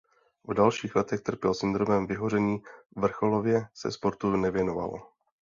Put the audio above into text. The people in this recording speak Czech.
V dalších letech trpěl syndromem vyhoření vrcholově se sportu nevěnoval.